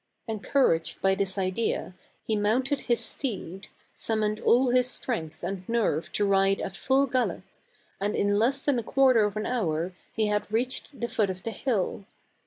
Encouraged by this idea, he mounted his steed, summoned all his strength and nerve to ride at full gallop, and in less than a quarter of an hour he had reached the foot of the hill.